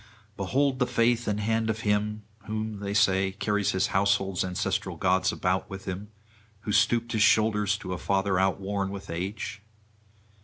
Behold the faith and hand of him! who, they say, carries his household's ancestral gods about with him! who stooped his shoulders to a father outworn with age!